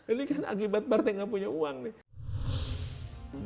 ini kan akibat partai gak punya uang nih